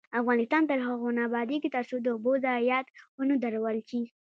افغانستان تر هغو نه ابادیږي، ترڅو د اوبو ضایعات ونه درول شي.